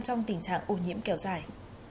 trong tình trạng ô nhiễm kéo dài